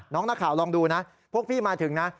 นักข่าวลองดูนะพวกพี่มาถึงนะ